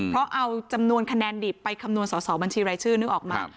เพราะเอาจำนวนคะแนนดิบไปคำนวณสอสอบัญชีรายชื่อนึกออกมา